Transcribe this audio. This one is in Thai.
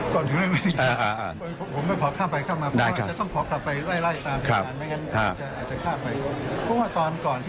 ก่อนถึงเรื่องวันนี้ครับผมไม่ต้องข้ามไปเข้ามาพอ